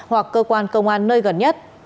hoặc cơ quan công an nơi gần nhất